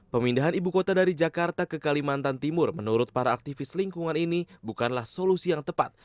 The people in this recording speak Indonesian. pemindahan ibu kota dari jakarta ke kalimantan timur menurut para aktivis lingkungan ini bukanlah solusi yang tepat